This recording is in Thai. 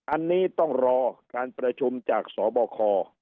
อันนี้ต้องรอการประชุมจากสบค